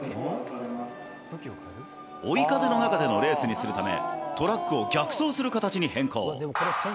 追い風の中でのレースにするため、トラックを逆走する形に変更。